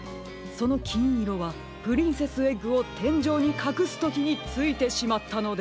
そのきんいろはプリンセスエッグをてんじょうにかくすときについてしまったのでは。